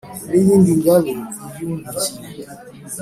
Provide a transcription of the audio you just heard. n' iyindi ngabe yiyungukiye